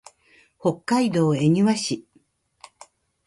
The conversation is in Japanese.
北海道恵庭市